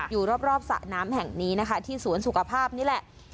อยู่รอบสระน้ำแห่งนี้นะคะที่สวนสุขภาพนี่แหละ